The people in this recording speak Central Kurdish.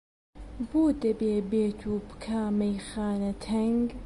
بۆ دەبێ بێت و بکا مەیخانە تەنگ؟!